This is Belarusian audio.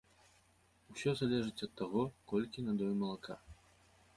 Усё залежыць ад таго, колькі надоі малака.